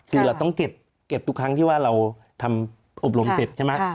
เราต้องเก็บทุกครั้งที่เราทำอบรมเสร็จ